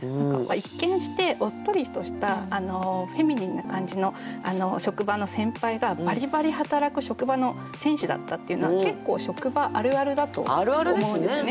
一見しておっとりとしたフェミニンな感じの職場の先輩がバリバリ働く職場の戦士だったっていうのは結構職場あるあるだと思うんですね。